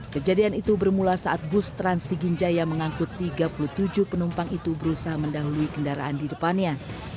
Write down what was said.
kejadian itu bermula saat bus trans siginjaya mengangkut tiga puluh tujuh penumpang itu berusaha mendahului kendaraan di depannya